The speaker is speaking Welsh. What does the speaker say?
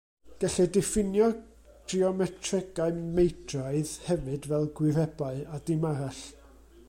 Gellir diffinio geometregau meidraidd hefyd fel gwirebau, a dim arall.